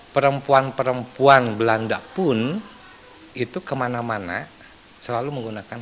perempuan perempuan belanda pun itu kemana mana selalu menggunakan